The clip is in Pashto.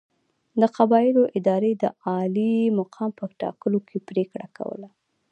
د قبایلو ادارې د عالي مقام په ټاکلو کې پرېکړه کوله.